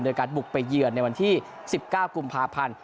โดยการบุกไปเยือนในวันที่๑๙กุมภาพันธ์